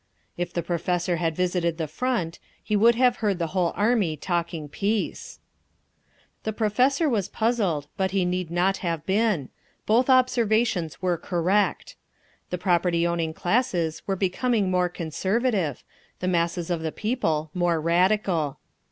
If the Professor had visited the front, he would have heard the whole Army talking Peace…. The Professor was puzzled, but he need not have been; both observations were correct. The property owning classes were becoming more conservative, the masses of the people more radical.